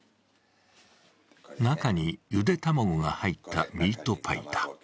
中にゆで卵が入ったミートパイだ。